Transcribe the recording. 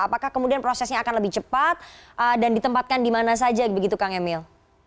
apakah kemudian prosesnya akan lebih cepat dan ditempatkan di mana saja begitu kang emil